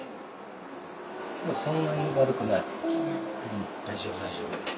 うん大丈夫大丈夫。